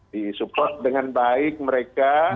di support dengan baik mereka